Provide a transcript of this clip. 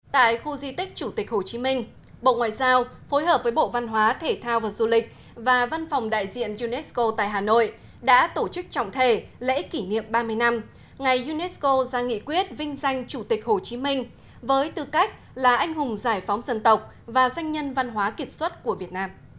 tại khu di tích chủ tịch hồ chí minh bộ ngoại giao phối hợp với bộ văn hóa thể thao và du lịch và văn phòng đại diện unesco tại hà nội đã tổ chức trọng thể lễ kỷ niệm ba mươi năm ngày unesco ra nghị quyết vinh danh chủ tịch hồ chí minh với tư cách là anh hùng giải phóng dân tộc và danh nhân văn hóa kiệt xuất của việt nam